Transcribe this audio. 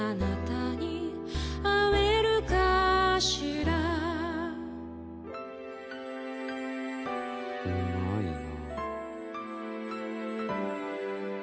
うまいな。